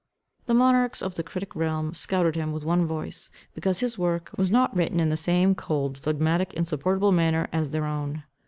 The monarchs of the critic realm scouted him with one voice, because his work, was not written in the same cold, phlegmatic insupportable manner as their own.